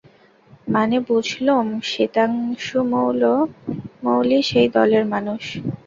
মনে বুঝলুম, সিতাংশুমৌলী সেই দলের মানুষ।